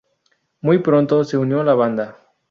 Muy pronto, se unió a la banda.